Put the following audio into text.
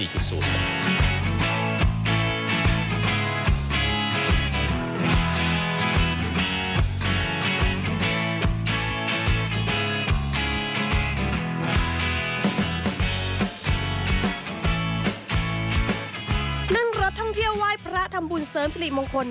นั่งรถท่องเที่ยวไหว้พระทำบุญเสริมสิริมงคล